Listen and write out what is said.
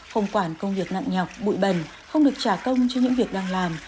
hồng quản công việc nặng nhọc bụi bẩn không được trả công cho những việc đang làm